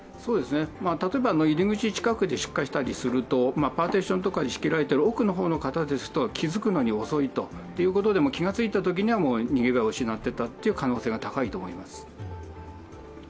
例えば入り口近くで出火したりするとパーテーションとかで仕切られている奥の方の方ですと気づくのに遅く、気づいたときには逃げ場を失っていたという可能性が高いと思います。